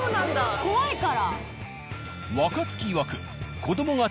怖いから。